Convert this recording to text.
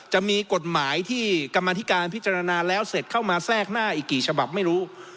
จะมีกฎหมายที่กรรมธิการพิจารณาแล้วเสร็จเข้ามาแทรกหน้าอีกกี่ฉบับไม่รู้